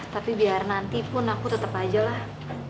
tapi biar nanti pun aku tetap aja lah